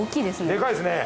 でかいですね。